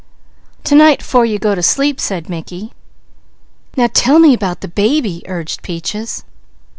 "To night 'fore you go to sleep," said Mickey. "Now tell me about the baby," urged Peaches.